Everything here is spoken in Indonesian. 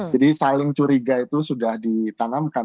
jadi saling curiga itu sudah ditanamkan